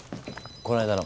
こないだの。